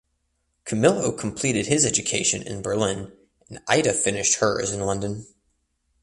Camillo completed his education in Berlin and Ida finished hers in London.